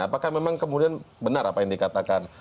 apakah memang kemudian benar apa yang dikatakan